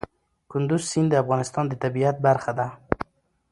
کندز سیند د افغانستان د طبیعت برخه ده.